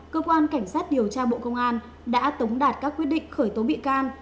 cơ quan cảnh sát điều tra bộ công an đã tống đạt các quyết định khởi tố bị can